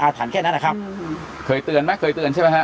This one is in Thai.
ถันแค่นั้นนะครับเคยเตือนไหมเคยเตือนใช่ไหมฮะ